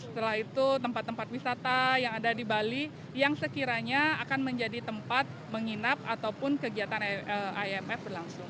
setelah itu tempat tempat wisata yang ada di bali yang sekiranya akan menjadi tempat menginap ataupun kegiatan imf berlangsung